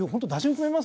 組めます